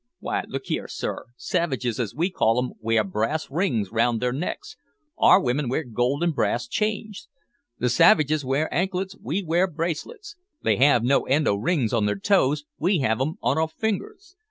W'y, look here, sir, savages, as we call 'em, wear brass rings round their necks, our women wear gold and brass chains. The savages wear anklets, we wear bracelets. They have no end o' rings on their toes, we have 'em on our fingers.